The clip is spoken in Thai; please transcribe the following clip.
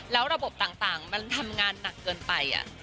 แล้วระบบต่างมันทำงานหนักเกินไป